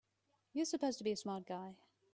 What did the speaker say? You're supposed to be a smart guy!